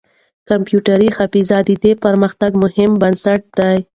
کمپيوټري حافظه د دې پرمختګ مهم بنسټ دی.